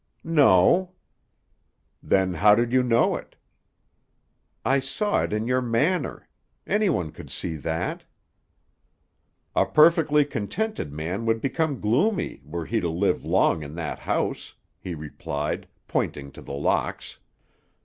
"No." "Then how did you know it?" "I saw it in your manner. Anyone could see that." "A perfectly contented man would become gloomy were he to live long in that house," he replied, pointing to The Locks.